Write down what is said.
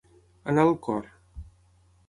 Anar el cor.